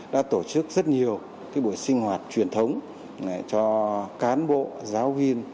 đã tổ chức rất nhiều buổi sinh hoạt truyền thống cho cán bộ giáo viên